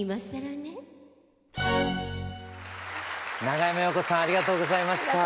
長山洋子さんありがとうございました。